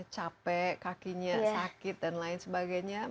capek kakinya sakit dan lain sebagainya